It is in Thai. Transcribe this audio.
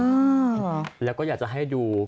แล้วก็อยากจะให้ดู